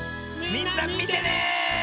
みんなみてね！